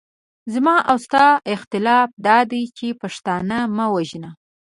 زما او ستا اختلاف دادی چې پښتانه مه وژنه.